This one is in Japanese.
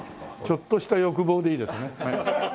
「ちょっとした欲望」でいいですね。